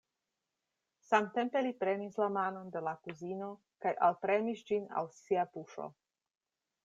Samtempe li prenis la manon de la kuzino kaj alpremis ĝin al sia buŝo.